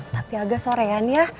tapi agak sorean ya